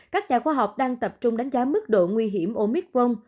các nhà khoa học đang tập trung đánh giá mức độ nguy hiểm omicron